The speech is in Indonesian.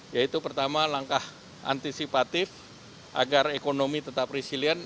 yaitu pertama langkah antisipatif agar ekonomi tetap resilient